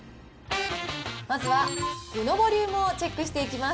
まずは、具のボリュームをチェックしていきます。